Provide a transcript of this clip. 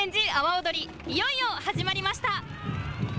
おどり、いよいよ始まりました。